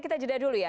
kita jeda dulu ya